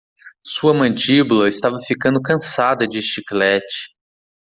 Sua mandíbula estava ficando cansada de chiclete.